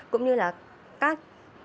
cũng như là các